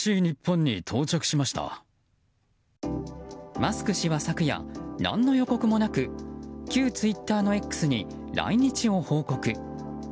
マスク氏は昨夜何の予告もなく旧ツイッターの「Ｘ」に来日を報告。